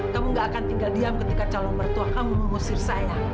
kamu gak akan tinggal diam ketika calon mertua kamu mengusir saya